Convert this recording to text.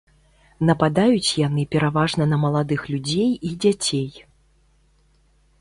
Нападаюць яны пераважна на маладых людзей і дзяцей.